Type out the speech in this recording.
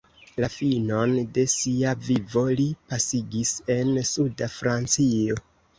La finon de sia vivo li pasigis en suda Francio.